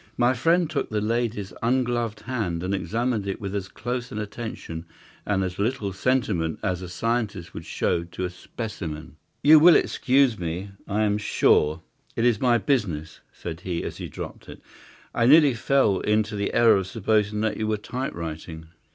My friend took the lady's ungloved hand and examined it with as close an attention and as little sentiment as a scientist would show to a specimen. "You will excuse me, I am sure. It is my business," said he, as he dropped it. "I nearly fell into the error of supposing that you were typewriting.